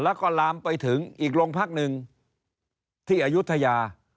แล้วก็ลามไปถึงอีกโรงพักหนึ่งที่อายุทยา